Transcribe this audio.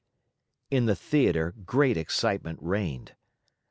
In the theater, great excitement reigned.